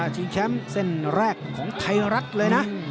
ชิงแชมป์เส้นแรกของไทยรัฐเลยนะ